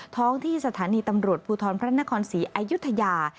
ท้องที่สถานีตำรวจภูทรพระนครศรีอายุทยา